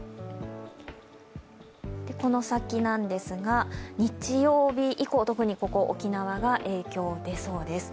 この先なんですが、日曜日以降、特に沖縄が沖縄が影響出そうです。